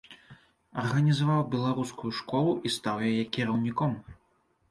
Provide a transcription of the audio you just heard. Арганізаваў беларускую школу і стаў яе кіраўніком.